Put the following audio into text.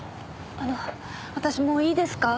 あの私もういいですか？